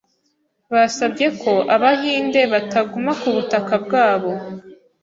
Basabye ko Abahinde bataguma ku butaka bwabo.